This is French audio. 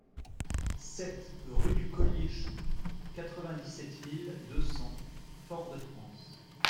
sept rue du Collier Chou, quatre-vingt-dix-sept mille deux cents Fort-de-France